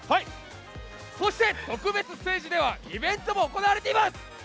そして、特別ステージではイベントも行われています。